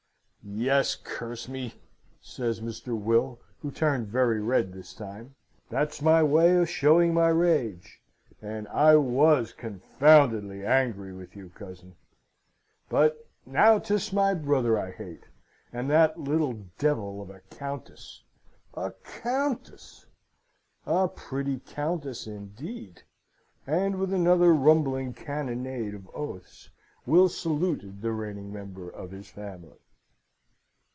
"Yes, curse me," says Mr. Will (who turned very red this time), "that's my way of showing my rage; and I was confoundedly angry with you, cousin! But now 'tis my brother I hate, and that little devil of a Countess a countess! a pretty countess, indeed!" And with another rumbling cannonade of oaths, Will saluted the reigning member of his family.